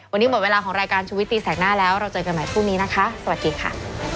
วันนี้หมดเวลาของรายการชุวิตตีแสกหน้าแล้วเราเจอกันใหม่พรุ่งนี้นะคะสวัสดีค่ะ